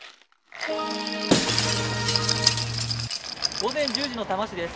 午前１０時の多摩市です。